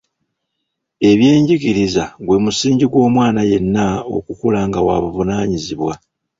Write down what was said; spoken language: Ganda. Ebyenjigiriza gwe musingi gw’omwana yenna okukula nga wa buvunaanyizibwa.